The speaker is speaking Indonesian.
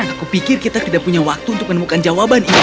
aku pikir kita tidak punya waktu untuk menemukan jawaban ini